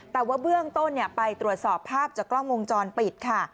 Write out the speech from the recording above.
แต่ว่าเบื้องต้นไปตรวจสอบภาพจากกล้องวงจรปิดค่ะ